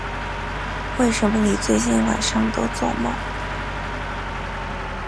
为什么你最近晚上都作梦